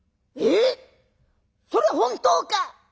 「えそれ本当か！？」。